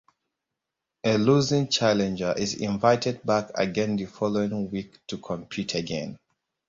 A losing challenger is invited back again the following week to compete again.